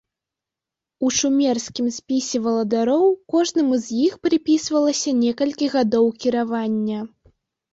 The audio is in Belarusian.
У шумерскім спісе валадароў кожнаму з іх прыпісвалася некалькі гадоў кіравання.